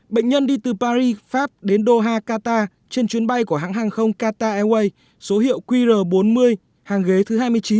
bệnh nhân đi từ paris pháp đến doha qatar trên chuyến bay của hãng hàng không qatar airways số hiệu qr bốn mươi hàng ghế thứ hai mươi chín